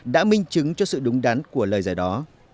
đã minh chứng cho sự đúng đắn của lời giải đó